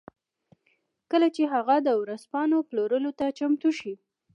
کله چې هغه د ورځپاڼو پلورلو ته چمتو شي